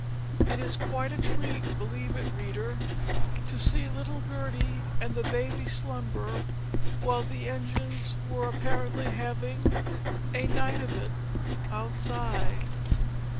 It was quite a treat believe it, reader to see little Gertie and the baby slumber while the engines were apparently having "a night of it" outside!